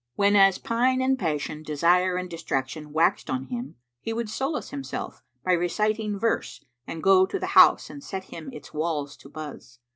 Whenas pine and passion, desire and distraction waxed on him, he would solace himself by reciting verse and go to the house and set him its walls to buss.